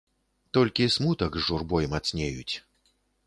Толькі смутак з журбой мацнеюць.